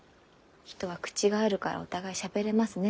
「人は口があるからお互いしゃべれますね」